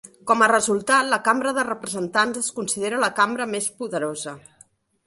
Com a resultat, la Cambra de Representants es considera la cambra més poderosa.